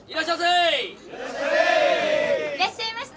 いらっしゃいませ。